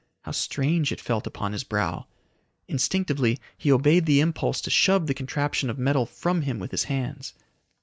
How strange it felt upon his brow. Instinctively he obeyed the impulse to shove the contraption of metal from him with his hands.